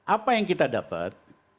apa yang kita dapat